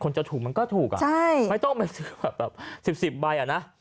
จะถูกมันก็ถูกอ่ะใช่ไม่ต้องไปซื้อแบบสิบสิบใบอ่ะนะ